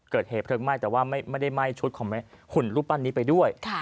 เกิดเหตุเพลิงไหม้แต่ว่าไม่ได้ไหม้ชุดของหุ่นรูปปั้นนี้ไปด้วย